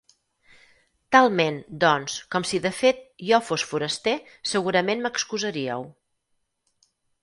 Talment, doncs, com si de fet jo fos foraster segurament m'excusaríeu.